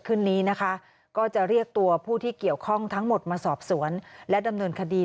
คืนนี้นะคะก็จะเรียกตัวผู้ที่เกี่ยวข้องทั้งหมดมาสอบสวนและดำเนินคดี